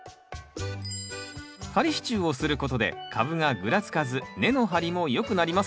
仮支柱をすることで株がぐらつかず根の張りもよくなります。